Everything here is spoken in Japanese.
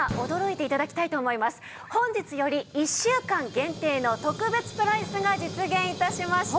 本日より１週間限定の特別プライスが実現致しました。